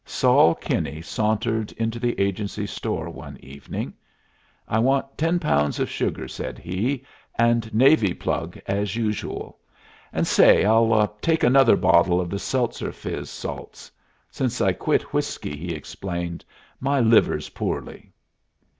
Sol Kinney sauntered into the agency store one evening. "I want ten pounds of sugar," said he, "and navy plug as usual. And say, I'll take another bottle of the Seltzer fizz salts. Since I quit whiskey," he explained, "my liver's poorly."